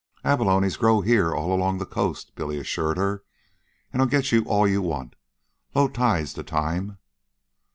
"Abalones grow here, all along the coast," Billy assured her; "an' I'll get you all you want. Low tide's the time."